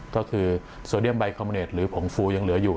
ก็คือโซเดียมไบคอมเน็ตหรือผงฟูยังเหลืออยู่